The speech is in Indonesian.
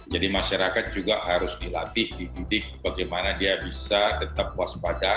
masyarakat juga harus dilatih dididik bagaimana dia bisa tetap waspada